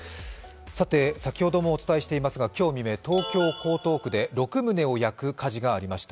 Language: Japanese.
先ほどもお伝えしていますが、今日未明、東京・江東区で６棟を焼く火事がありました。